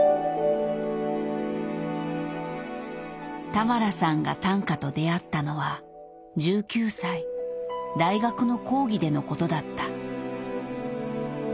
俵さんが短歌と出会ったのは１９歳大学の講義でのことだった。